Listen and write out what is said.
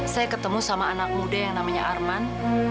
saya ketemu sama anak muda yang namanya arman